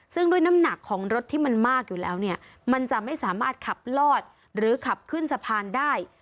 ซึ่งด้วยน้ำหนักของรถที่มันมากอยู่แล้วเนี่ยมันจะไม่สามารถขับลอดหรือขับขึ้นสะพานได้